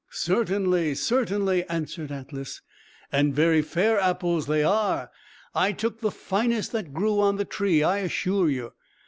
"Certainly, certainly," answered Atlas; "and very fair apples they are. I took the finest that grew on the tree, I assure you.